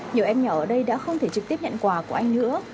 nhiều em nhỏ ở đây đã không thể trực tiếp nhận quà của anh nữa